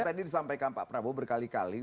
saya ingin sampaikan pak prabowo berkali kali